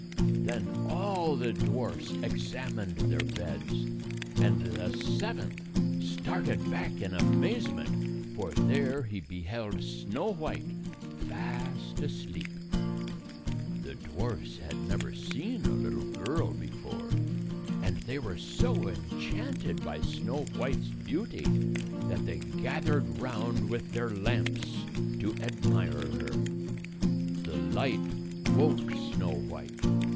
235 Then all the dwarfs examined their beds, and the seventh started back in amazement, for there he beheld Snow White, fast asleep. The dwarfs had never seen a little girl before, and they were so enchanted by Snow White's beauty that they gathered round with their lamps to admire her. The light woke Snow White.